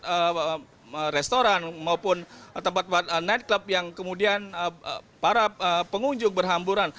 tempat restoran maupun tempat tempat nightclub yang kemudian para pengunjung berhamburan